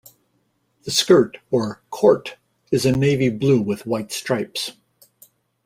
The skirt, or "corte", is a navy blue with white stripes.